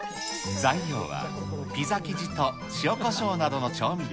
材料はピザ生地と塩こしょうなどの調味料。